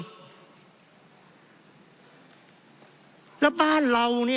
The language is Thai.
เพราะเรามี๕ชั่วโมงครับท่านนึง